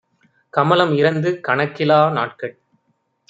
"கமலம் இறந்து கணக்கிலா நாட்கள்